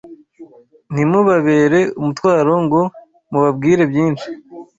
ntimubabere umutwaro ngo mubabwire byinshi